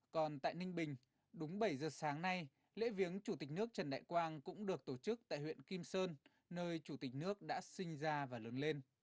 còn tại ninh bình đúng bảy giờ sáng nay lễ viếng chủ tịch nước trần đại quang cũng được tổ chức tại huyện kim sơn nơi chủ tịch nước đã sinh ra và lớn lên